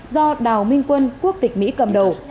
do đào minh quân quốc tịch mỹ cầm đầu